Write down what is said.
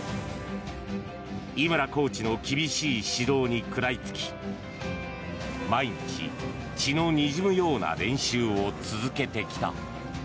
井村コーチの厳しい指導に食らいつき毎日、血のにじむような練習を続けてきた。